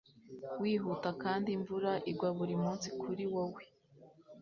Wihuta kandi imvura igwa buri munsi kuri wowe